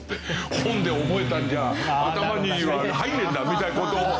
「本で覚えたんじゃ頭には入んねえんだ」みたいな事を。